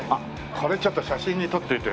これちょっと写真に撮っておいて。